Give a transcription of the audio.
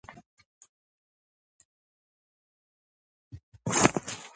ნაწარმოები შეიქმნა „ქარიშხლისა და შეტევის“ დროს და ჯერ ანონიმურად გამოქვეყნდა.